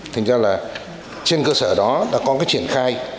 thành ra là trên cơ sở đó đã có cái triển khai